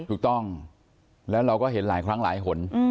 ถูกต้องแล้วเราก็เห็นหลายครั้งหลายหน